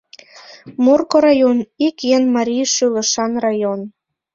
— Морко район — ик эн марий шӱлышан район.